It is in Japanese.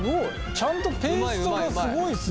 ちゃんとペーストがすごいですねこれ。